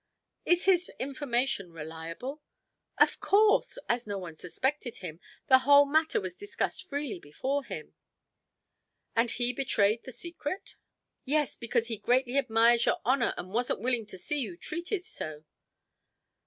"Is his information reliable?" "Of course! As no one suspected him, the whole matter was discussed freely before him." "And he betrayed the secret?" "Yes, because he greatly admires your honor and wasn't willing to see you treated so."